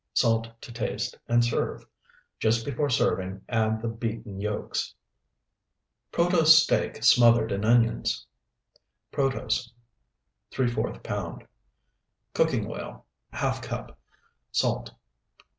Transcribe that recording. Salt to taste, and serve. Just before serving add the beaten yolks. PROTOSE STEAK SMOTHERED IN ONIONS Protose, ¾ pound. Cooking oil, ½ cup. Salt.